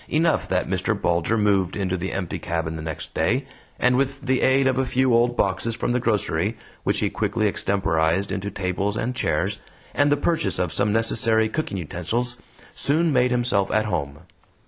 Enough that Mr. Bulger moved into the empty cabin the next day, and, with the aid of a few old boxes from the grocery, which he quickly extemporized into tables and chairs, and the purchase of some necessary cooking utensils, soon made himself at home.